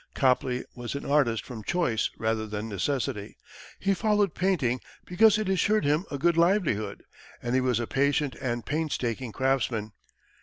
Copley was an artist from choice rather than necessity; he followed painting because it assured him a good livelihood, and he was a patient and painstaking craftsman.